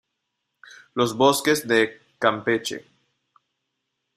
los bosques de Campeche